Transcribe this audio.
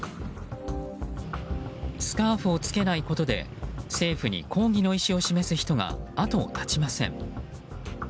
スカーフを着けないことで政府に抗議の意思を示す人が後を絶ちません。